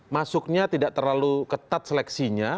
masuknya tidak terlalu ketat seleksinya